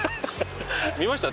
見ました？